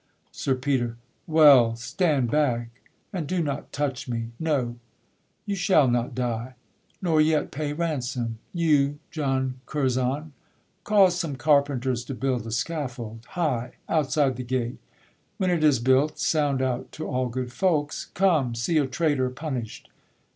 SIR PETER. Well, stand back, And do not touch me! No, you shall not die, Nor yet pay ransom. You, John Curzon, cause Some carpenters to build a scaffold, high, Outside the gate; when it is built, sound out To all good folks, 'Come, see a traitor punish'd!'